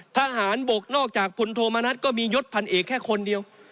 ทหารบกนอกจากพลโทมนัฐก็มียศพันเอกแค่คนเดียว